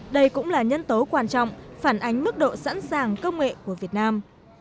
đây cũng là nhân tố quan trọng phản ánh mức độ sẵn sàng công nghệ của việt nam